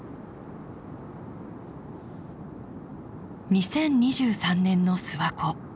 ２０２３年の諏訪湖。